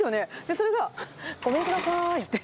それが、ごめんくださいって。